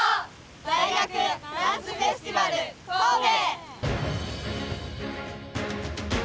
大学ダンスフェスティバル神戸！